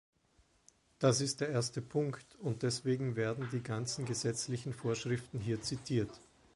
Das ist der erste Punkt, und deswegen werden die ganzen gesetzlichen Vorschriften hier zitiert.